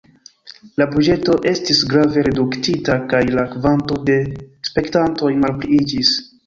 La buĝeto estis grave reduktita kaj la kvanto de spektantoj malpliiĝis.